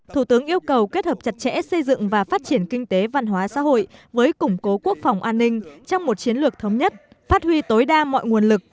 thủ tướng yêu cầu kết hợp chặt chẽ xây dựng và phát triển kinh tế văn hóa xã hội với củng cố quốc phòng an ninh trong một chiến lược thống nhất phát huy tối đa mọi nguồn lực